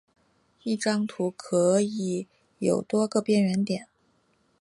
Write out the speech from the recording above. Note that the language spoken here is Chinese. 一张图可以有多个边缘点。